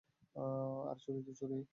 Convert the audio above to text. আর, চুরি তো চুরিই।